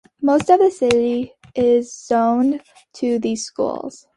Most of the city is zoned to these schools.